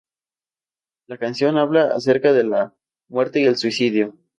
La canción habla acerca de la muerte y el suicidio.